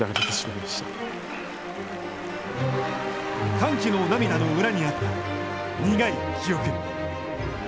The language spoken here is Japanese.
歓喜の涙の裏にあった苦い記憶。